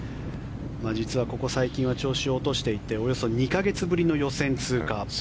実はここ最近は調子を落としていておよそ２か月ぶりの予選通過。